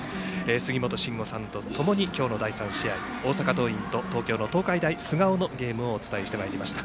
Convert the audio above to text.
杉本真吾さんとともに今日の第３試合大阪桐蔭と東京の東海大菅生のゲームをお伝えしてまいりました。